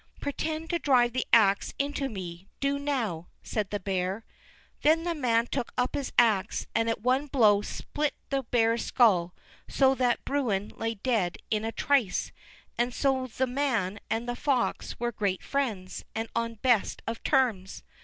"Pretend to drive the ax into me, do now," said the bear. Then the man took up his ax, and at one blow split the bear's skull, so that Bruin lay dead in a trice; and so the man and the fox were great friends, and on the best of terms.